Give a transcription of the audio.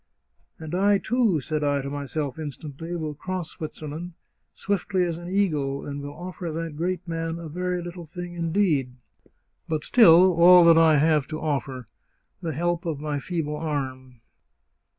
' And I, too,' said I to myself instantly, * will cross Switzerland, swiftly as an eagle, and will offer that great man a very little thing indeed — but still all that I have to offer — the help of my feeble arm